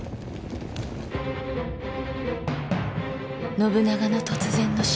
信長の突然の死。